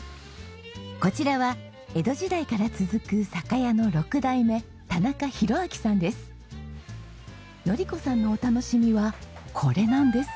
こちらは江戸時代から続く酒屋の６代目のり子さんのお楽しみはこれなんです。